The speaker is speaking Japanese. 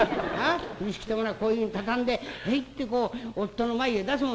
風呂敷ってものはこういうふうに畳んでへいってこう夫の前へ出すもんだ」。